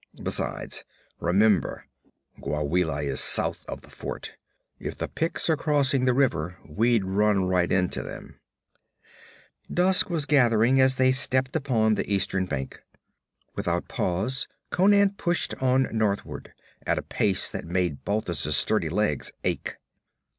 Besides, remember Gwawela is south of the fort; if the Picts are crossing the river we'd run right into them.' Dusk was gathering as they stepped upon the eastern bank. Without pause Conan pushed on northward, at a pace that made Balthus' sturdy legs ache.